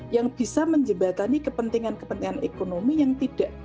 yang bisa menjembatani kepentingan kepentingan ekonomi yang tidak